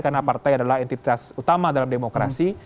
karena partai adalah entitas utama dalam demokrasi